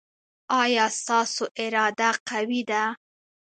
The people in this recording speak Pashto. ایا ستاسو اراده قوي ده؟